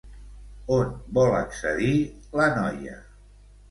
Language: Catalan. On vol accedir la noia?